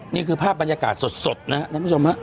นี่คือภาพบรรยากาศสดนะครับท่านผู้ชมฮะ